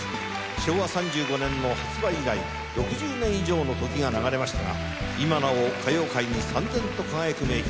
昭和３５年の発売以来６０年以上の時が流れましたが今なお歌謡界にさん然と輝く名曲。